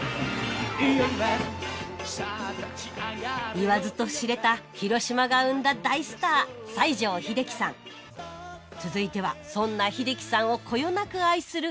言わずと知れた広島が生んだ大スター続いてはそんな秀樹さんをこよなく愛する